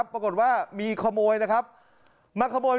ปรากฏว่ามีขโมยมาขโมยนกไป